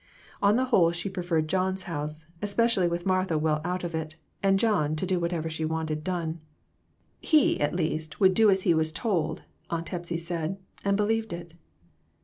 On the whole, she preferred John's house, especially with Martha well out of it, and John to do whatever she wanted done. MORAL EVOLUTION. 135 " He, at least, would do as he was told," Aunt Hepsy said, and believed it.